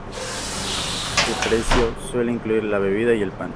El precio suele incluir la bebida y el pan.